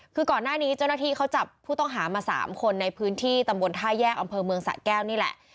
คือก่อนหน้านี้เจ้าหน้าที่เขาจับผู้ต้องหามา๓คนในพื้นที่ตำบลท่าแยกอำเภอเมืองสะแก้วนี่แหละ